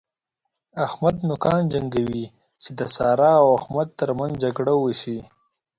احمد نوکان جنګوي چې د سارا او احمد تر منځ جګړه وشي.